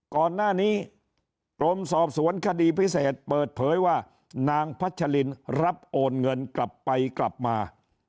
ก่อนหน้านี้กรมสอบสวนคดีพิเศษเปิดเผยว่านางพัชลินรับโอนเงินกลับไปกลับมา